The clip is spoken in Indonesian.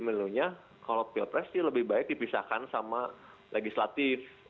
tapi kalau sebaiknya kalau ke sistem pemilunya kalau pil pres sih lebih baik dipisahkan sama legislatif